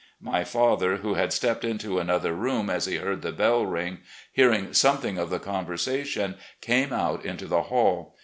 My father, vrho THE SURRENDER 159 had stepped into another room as he heard the bell ring, hearing something of the conversation, came out into the hall.